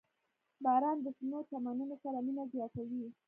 • باران د شنو چمنونو سره مینه زیاتوي.